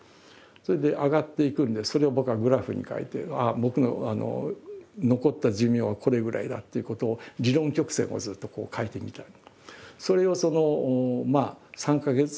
それで上がっていくんでそれを僕はグラフに書いてああ僕の残った寿命はこれぐらいだっていうことを理論曲線をずっとこう書いてみたり。